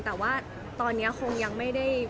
แต่ว่าตอนนี้คงยังไม่ได้